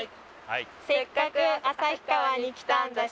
「せっかく旭川に来たんだし」